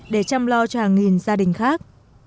để chăm lo cho hàng nghìn gia đình khác